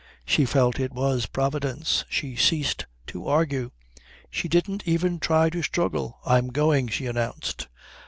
She felt it was Providence. She ceased to argue. She didn't even try to struggle. "I'm going," she announced.